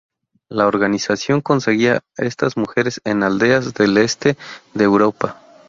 La organización conseguía estas mujeres en aldeas del Este de Europa.